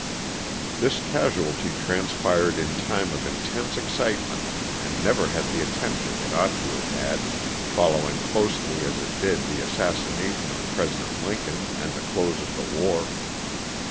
This casualty transpired in time of intense excitement and never had the attention it ought to have had, following closely as it did the assassination of President Lincoln and the close of the war.